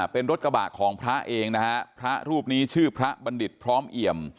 เป็นรถกระบะของพระเองนะฮะพระรูปนี้ชื่อพระบัณฑิตพร้อมเอี่ยม